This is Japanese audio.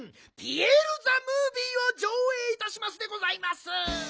「ピエール・ザ・ムービー」をじょうえいいたしますでございます。